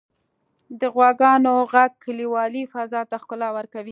• د غواګانو ږغ کلیوالي فضا ته ښکلا ورکوي.